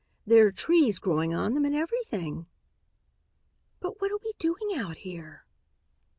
There are trees growing on them and everything." "But what are we doing out here?"